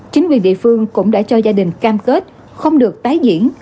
chính quyền địa phương cũng đã cho gia đình cam kết không được tái diễn